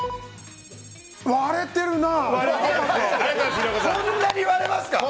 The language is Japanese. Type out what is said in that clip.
割れてるな！